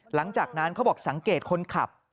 หลังจากนั้นเขาบอกสังเกตคนขับ